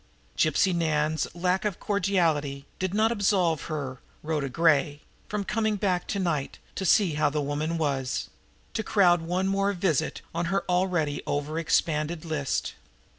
Gypsy Nan's lack of cordiality did not absolve her, Rhoda Gray, from coming back to night to see how the woman was to crowd one more visit on her already over expanded list.